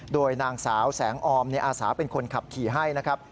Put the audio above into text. โดยนางสาวแสงออมอาสาเป็นคนขับขี่ให้นะครับ